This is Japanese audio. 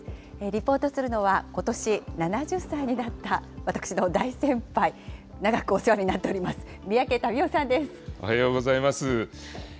リポートするのは、ことし７０歳になった、私の大先輩、長くお世話になっております、おはようございます。